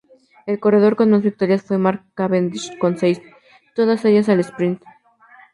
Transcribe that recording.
El corredor con más victorias fue Mark Cavendish con seis, todas ellas al sprint.